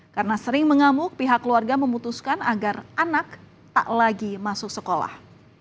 karena sering mengamuk pihak keluarga memutuskan agar anak tak lagi masuk sekolah